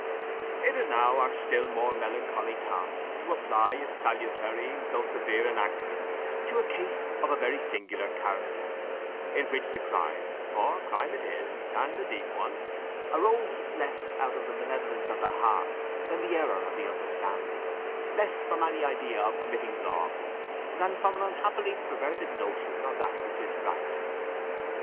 It is now our still more melancholy task to apply its salutary though severe enactments to a case of a very singular character, in which the crime, for a crime it is, and a deep one, arose less out of the malevolence of the heart than the error of the understanding less from any idea of committing wrong than from an unhappily perverted notion of that which is right.